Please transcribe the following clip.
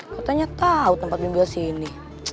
katanya tau tempat bimbel sini